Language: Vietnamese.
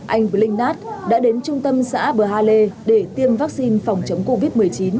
anh vinh nát đã đến trung tâm xã bờ ha lê để tiêm vaccine phòng chống covid một mươi chín